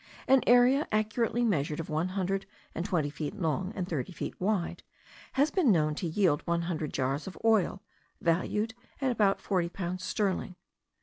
An area accurately measured of one hundred and twenty feet long, and thirty feet wide, has been known to yield one hundred jars of oil, valued at about forty pounds sterling.